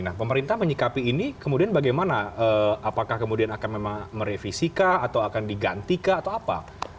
nah pemerintah menyikapi ini kemudian bagaimana apakah kemudian akan memang merevisi kah atau akan diganti kah atau apa